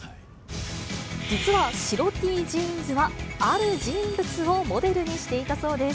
実は白Ｔジーンズは、ある人物をモデルにしていたそうです。